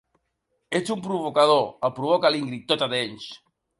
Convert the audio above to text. Ets un provocador —el provoca l'Ingrid, tota dents.